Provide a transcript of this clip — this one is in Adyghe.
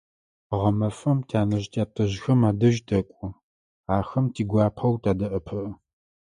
Гъэмэфэм тянэжъ-тятэжъхэм адэжь тэкӀо, ахэм тигуапэу тадэӀэпыӀэ.